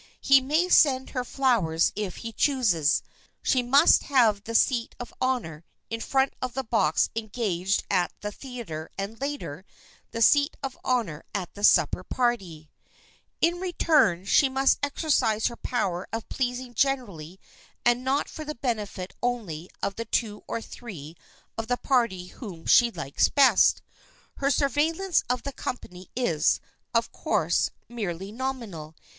He may send her flowers if he chooses. She must have the seat of honor in the front of the box engaged at the theater and, later, the seat of honor at the supper party. [Sidenote: THE CHAPERON'S PRIVILEGES] In return she must exercise her power of pleasing generally and not for the benefit only of the two or three of the party whom she likes best. Her surveillance of the company is, of course, merely nominal.